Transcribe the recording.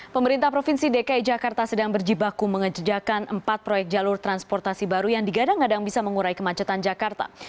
pemerintah provinsi dki jakarta sedang berjibaku mengejajakan empat proyek jalur transportasi baru yang digadang gadang bisa mengurai kemacetan jakarta